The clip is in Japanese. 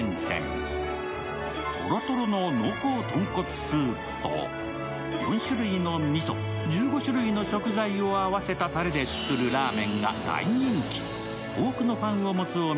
とろとろの濃厚豚骨スープと４種類のみそ、１５種類の食材を合わせたたれで作るラーメンが大人気。